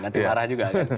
nanti marah juga